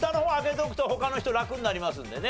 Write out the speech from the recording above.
とくと他の人ラクになりますんでね。